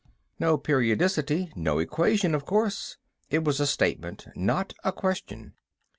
"No periodicity—no equation, of course." It was a statement, not a question.